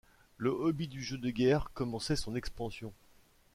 Le hobby du jeu de guerre commençait son expansion.